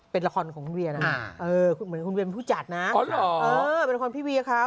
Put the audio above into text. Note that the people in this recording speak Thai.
เป็นละครของคุณเวียนะเหมือนคุณเวียเป็นผู้จัดนะเป็นละครพี่เวียเขา